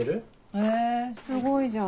へぇすごいじゃん。